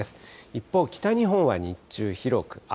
一方、北日本は日中、広く雨。